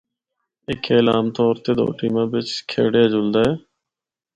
اے کھیل عام طور تے دو ٹیماں بچ کھیڈیا جلدا اے۔